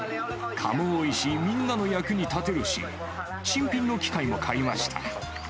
蚊も多いし、みんなの役に立てるし、新品の機械も買いました。